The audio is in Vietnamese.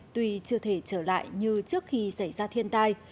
tuy chưa thể trở lại như trước khi xảy ra thiên tai